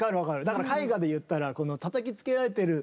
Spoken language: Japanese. だから絵画で言ったらこのたたきつけられてる。